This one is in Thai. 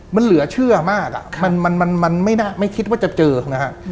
มันเหลือเชื่อมากอ่ะมันมันมันมันไม่น่าไม่คิดว่าจะเจอนะฮะ